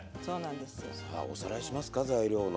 さあおさらいしますか材料の。